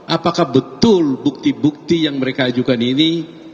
apakah betul bukti bukti yang mereka ajukan ini